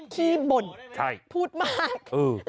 ขี้บ่นพูดมาก